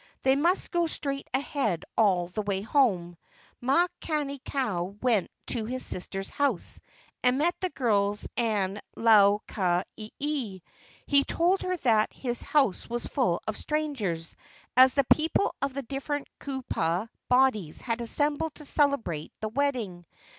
They must go straight ahead all the way home. Makani kau went to his sister's house, and met the girls and Lau ka ieie. He told her that his house was full of strangers, as the people of the different kupua bodies had assembled to celebrate the wedding.